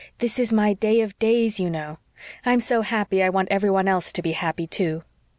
"This is my day of days, you know. I'm so happy I want every one else to be happy, too."